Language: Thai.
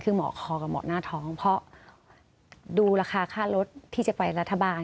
คือเหมาะคอกับเหมาะหน้าท้องเพราะดูราคาค่ารถที่จะไปรัฐบาล